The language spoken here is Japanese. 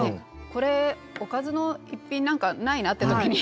これおかずの１品なんかないなって時に。